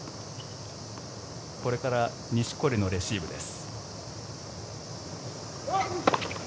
これから錦織のレシーブです。